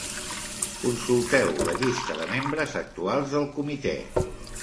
Consulteu la llista de membres actuals del comitè.